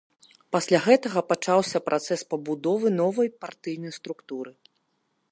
Пасля гэтага пачаўся працэс пабудовы новай партыйнай структуры.